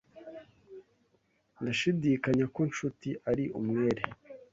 Ndashidikanya ko Nshuti ari umwere.